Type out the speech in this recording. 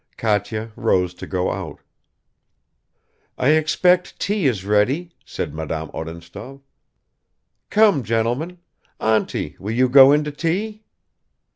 Katya rose to go out ... "I expect tea is ready," said Madame Odintsov. "Come, gentlemen; auntie, will you go in to tea?"